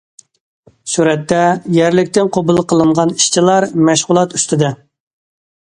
سۈرەتتە: يەرلىكتىن قوبۇل قىلىنغان ئىشچىلار مەشغۇلات ئۈستىدە.